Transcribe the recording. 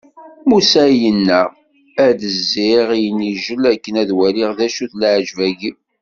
Musa yenna: ad d-zziɣ i inijel akken ad waliɣ d acu-t leɛǧeb-agi!